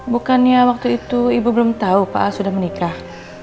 bukannya waktu itu ibu belum tahu pak aa sudah menikah